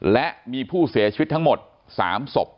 และมีผู้เสียชีวิตทั้งหมด๓ศพ